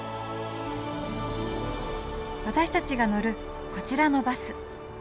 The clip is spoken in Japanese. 私たちが乗るこちらのバス。